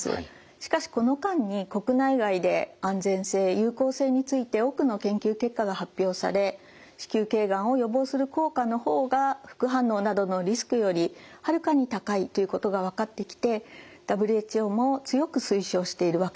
しかしこの間に国内外で安全性有効性について多くの研究結果が発表され子宮頸がんを予防する効果の方が副反応などのリスクよりはるかに高いということが分かってきてＷＨＯも強く推奨しているワクチンです。